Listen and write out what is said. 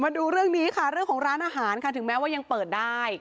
มาดูเรื่องนี้ค่ะเรื่องของร้านอาหารค่ะถึงแม้ว่ายังเปิดได้